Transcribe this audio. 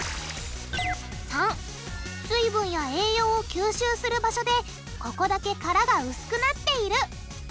③水分や栄養を吸収する場所でここだけ殻が薄くなっている。